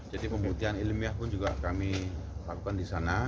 jadi pembuktian ilmiah pun juga kami lakukan di sana